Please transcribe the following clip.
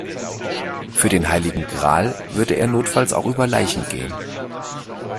Für den heiligen Gral würde er notfalls auch über Leichen gehen.